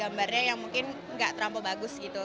gambarnya yang mungkin gak terlalu bagus gitu